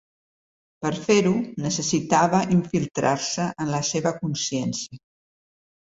Per fer-ho, necessitava infiltrar-se en la seva consciència.